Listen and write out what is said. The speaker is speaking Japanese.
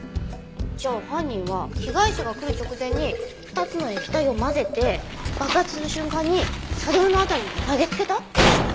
じゃあ犯人は被害者が来る直前に２つの液体を混ぜて爆発する瞬間にサドルの辺りに投げつけた？